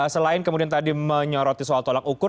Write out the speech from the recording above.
selain kemudian tadi menyoroti soal tolak ukur